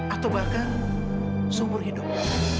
atau bahkan seumur hidup